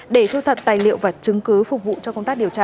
để thu thập tài liệu và chứng cứ phục vụ cho công tác điều tra